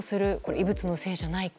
異物のせいじゃないか。